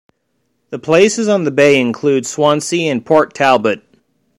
Places on the bay include Swansea and Port Talbot.